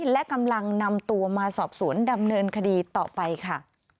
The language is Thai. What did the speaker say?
และกำลังนำตัวมาสอบสวนดำเนินคดีต่อไปค่ะ